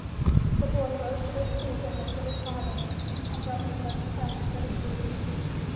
The boy rose to his feet, and looked at his father, and broke into a fresh fit of weeping.